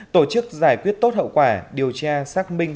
tổ chức giải quyết tốt hậu quả điều tra xác minh